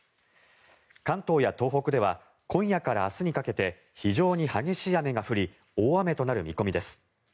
関東や東北では今夜から明日にかけて非常に激しい雨が降り大雨となる見込みです。